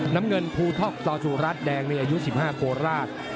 น้ำเงินภูท็อกตอสุรัสแดงในอายุ๑๕โกราศ